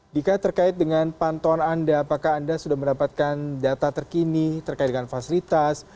dika terkait dengan pantauan anda apakah anda sudah mendapatkan data terkini terkait dengan fasilitas